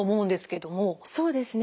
そうですね。